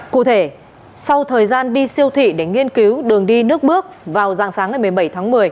cụ thể sau thời gian đi siêu thị để nghiên cứu đường đi nước bước vào dạng sáng ngày một mươi bảy tháng một mươi